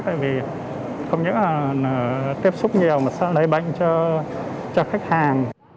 tại vì không những là tiếp xúc nhiều mà sẽ lấy bệnh cho khách hàng